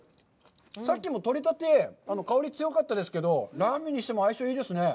さっきも取りたて、香りが強かったですけど、ラーメンにしても相性がいいですね。